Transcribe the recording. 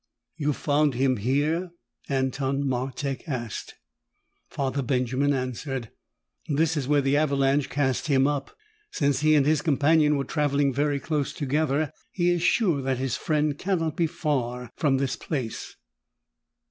"You found him here?" Anton Martek asked. Father Benjamin answered, "This is where the avalanche cast him up. Since he and his companion were traveling very close together, he is sure that his friend cannot be far from this place."